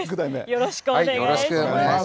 よろしくお願いします。